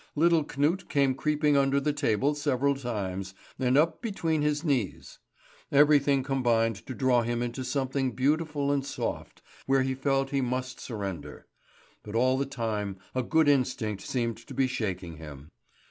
Little Knut came creeping under the table several times, and up between his knees. Everything combined to draw him into something beautiful and soft, where he felt he must surrender; but all the time a good instinct seemed to be shaking him.